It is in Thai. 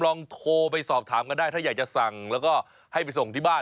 ลองโทรไปสอบถามกันได้ถ้าอยากจะสั่งแล้วก็ให้ไปส่งที่บ้าน